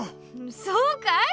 そうかい？